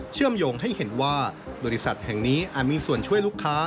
เชื่อมโยงให้เห็นว่าบริษัทแห่งนี้อาจมีส่วนช่วยลูกค้า